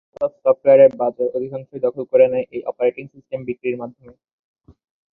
Microsoft সফটওয়্যারের বাজার অধিকাংশই দখল করে নেয় এই অপারেটিং সিস্টেম বিক্রির মাধ্যমে।